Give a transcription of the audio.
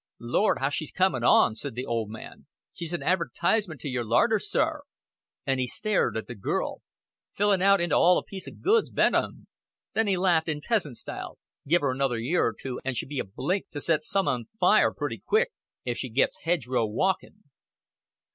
"Lord, how she's coming on," said the old man. "She's an advertisement to your larder, sir;" and he stared at the girl. "Fillin' out into all a piece o' goods, ben't un?" Then he laughed, in peasant style. "Give her another year or two and she'll be a blink to set some un o' fire pretty quick, if she gets hedge row walkin'."